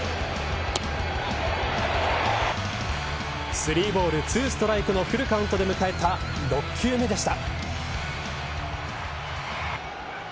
３ボール２ストライクのフルカウントで迎えた６球目でした。